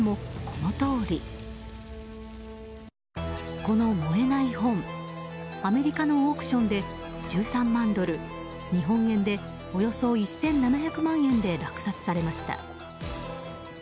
この燃えない本アメリカのオークションで１３万ドル日本円でおよそ１７００万円で落札されました。